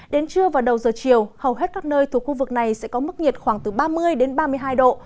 đến trưa và đầu giờ chiều hầu hết các nơi thuộc khu vực này sẽ có mức nhiệt khoảng từ ba mươi đến ba mươi hai độ